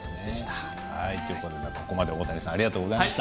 ここまで大谷さんありがとうございました。